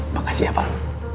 makasih ya pak